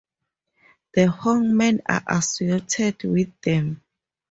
The Hongmen are associated with them.